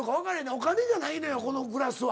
お金じゃないのよこのクラスは。